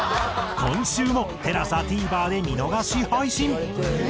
今週もＴＥＬＡＳＡＴＶｅｒで見逃し配信。